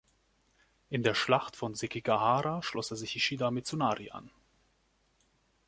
In der Schlacht von Sekigahara schloss er sich Ishida Mitsunari an.